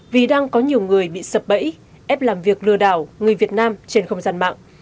vì đang có nhiều người bị sập bẫy ép làm việc lừa đảo người việt nam trên không gian mạng